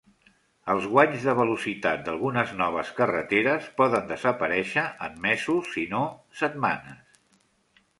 Els guanys de velocitat d'algunes noves carreteres poden desaparèixer en mesos, si no setmanes.